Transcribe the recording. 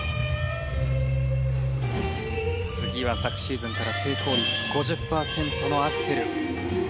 次は昨シーズンから成功率５０パーセントのアクセル。